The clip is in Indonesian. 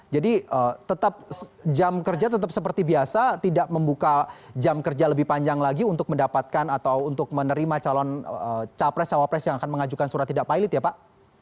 jadi jam kerja tetap seperti biasa tidak membuka jam kerja lebih panjang lagi untuk mendapatkan atau untuk menerima calon capres cawapres yang akan mengajukan surat tidak pilot ya pak